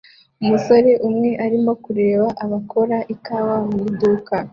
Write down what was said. Umusore umwe arimo kureba abakora ikawa mu iduka